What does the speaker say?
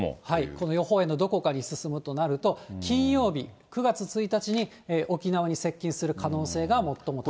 この予報円のどこかに進むとなると、金曜日、９月１日に沖縄に接近する可能性が最も高い。